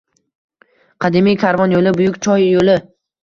Qadimiy karvon yo‘li – Buyuk choy yo‘li